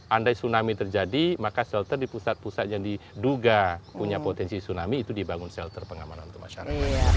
andai tsunami terjadi maka shelter di pusat pusat yang diduga punya potensi tsunami itu dibangun shelter pengamanan untuk masyarakat